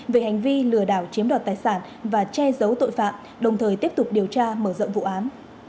về hành vi lừa đảo chiếm đoạt tài sản và che giấu tội phạm đồng thời tiếp tục điều tra mở rộng vụ án